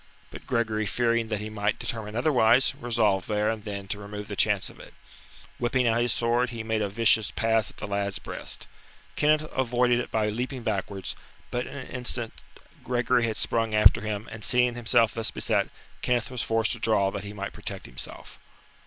But Gregory fearing that he might determine otherwise, resolved there and then to remove the chance of it. Whipping out his sword, he made a vicious pass at the lad's breast. Kenneth avoided it by leaping backwards, but in an instant Gregory had sprung after him, and seeing himself thus beset, Kenneth was forced to draw that he might protect himself.